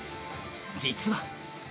実は。